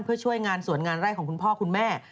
เพื่อช่วยงานสวนงานไร่ของคุณพ่อคุณแม่